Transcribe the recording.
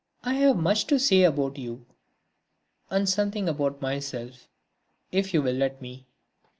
I have much to say about you ... and something about myself, if you will let me."